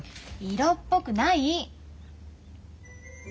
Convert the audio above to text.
色っぽくない。